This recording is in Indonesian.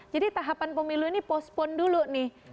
jadi tahapan pemilu ini pospon dulu nih